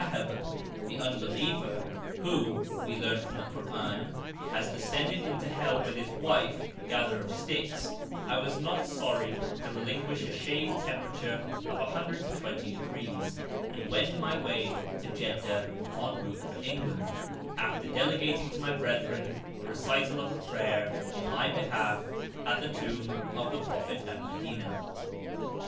ab, the unbeliever, who, we learn from the Koran, has descended into hell with his wife, gatherer of sticks, I was not sorry to relinquish a shade temperature of 120°, and wend my way to Jeddah en route for England, after delegating to my brethren the recital of a prayer in my behalf at the Tomb of the Prophet at Medina.